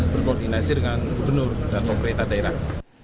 berkoordinasi dengan gubernur dan pemerintah daerah